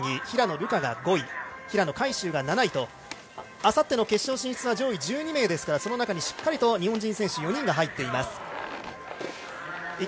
平野流佳が５位、平野海祝が７位とあさっての決勝進出は上位１２位ですからその中にしっかりと日本人選手４人が入っています。